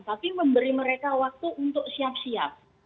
tapi memberi mereka waktu untuk siap siap